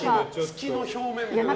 月の表面。